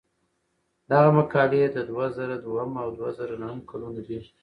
دغه مقالې د دوه زره دویم او دوه زره نهم کلونو دي.